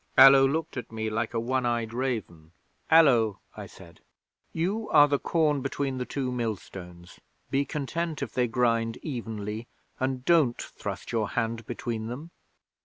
Allo looked at me like a one eyed raven. '"Allo," I said, "you are the corn between the two millstones. Be content if they grind evenly, and don't thrust your hand between them."